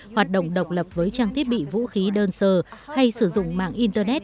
hoạt động độc lập với trang thiết bị vũ khí đơn sơ hay sử dụng mạng internet